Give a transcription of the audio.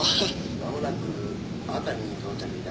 「まもなく熱海に到着致します」